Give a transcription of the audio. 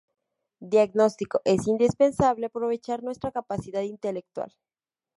Diagnóstico: es indispensable aprovechar nuestra capacidad intelectual.